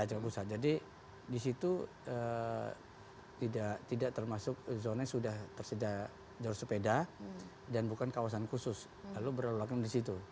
jalur pusat jadi di situ tidak termasuk zona sudah tersedia jalur sepeda dan bukan kawasan khusus lalu berlaluan di situ